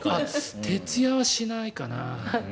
徹夜はしないかな。